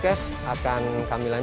oke ya teman teman